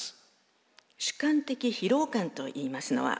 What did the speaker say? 主観的疲労感といいますのは？